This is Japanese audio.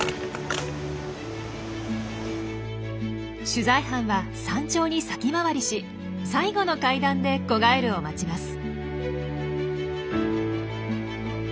取材班は山頂に先回りし最後の階段で子ガエルを待ちます。